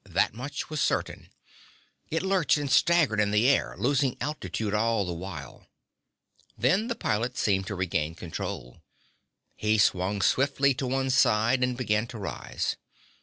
That much was certain. It lurched and staggered in the air, losing altitude all the while. Then the pilot seemed to regain control. He swung swiftly to one side and began to rise.